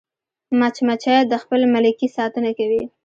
مچمچۍ د خپل ملکې ساتنه کوي